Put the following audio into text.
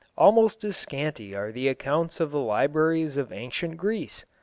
Almost as scanty are the accounts of the libraries of ancient Greece.